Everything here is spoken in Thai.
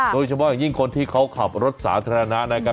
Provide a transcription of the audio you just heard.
โดยเฉพาะอย่างยิ่งคนที่เขาขับรถสาธารณะนะครับ